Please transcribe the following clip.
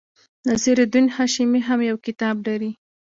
نصیر الدین هاشمي هم یو کتاب لري.